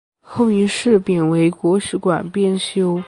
后因事贬为国史馆编修。